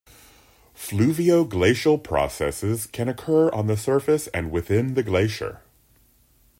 Fluvio-glacial processes can occur on the surface and within the glacier.